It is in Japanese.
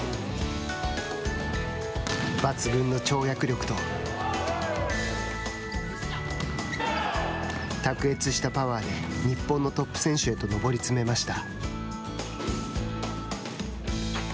抜群の跳躍力と卓越したパワーで日本のトップ選手へと上り詰めました。